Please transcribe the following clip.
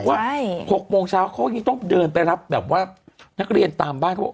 เขาบอกว่า๖โมงเช้าเขาก็ยังต้องเดินไปรับนักเรียนตามบ้าน